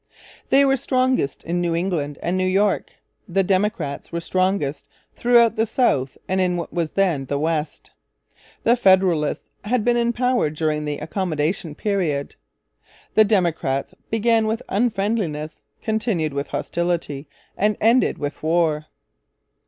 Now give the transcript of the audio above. They were strongest in New England and New York. The Democrats were strongest throughout the South and in what was then the West. The Federalists had been in power during the Accommodation period. The Democrats began with Unfriendliness, continued with Hostility, and ended with War.